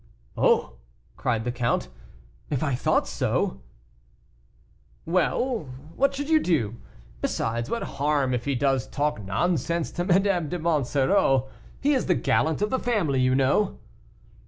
"Oh!" cried the count, "if I thought so " "Well; what should you do? Besides, what harm if he does talk nonsense to Madame de Monsoreau? He is the gallant of the family, you know."